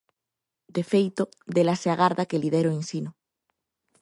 De feito, dela se agarda que lidere o Ensino.